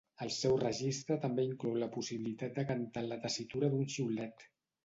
El seu registre també inclou la possibilitat de cantar en la tessitura d'un xiulet.